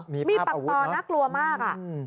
มีปังตอนน่ากลัวมากอ่ะ